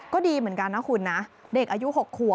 ก็ดีเหมือนกันนะคุณนะเด็กอายุ๖ขัว